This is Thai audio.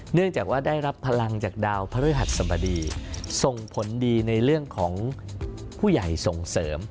เนื่องจากว่าได้รับพลังจากดาวพระฤหัสสบดีส่งผลดีในเรื่องของผู้ใหญ่ส่งเสริม